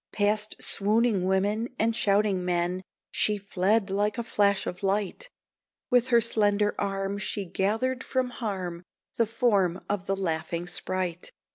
Past swooning women and shouting men She fled like a flash of light; With her slender arm she gathered from harm The form of the laughing sprite.